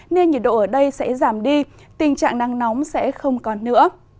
nên nhiệt độ ở đây sẽ giảm đi tình trạng nắng nóng sẽ không còn nữa